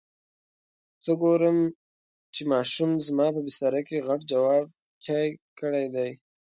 څه ګورم چې ماشوم زما په بستره کې غټ جواب چای کړی دی.